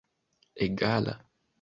egala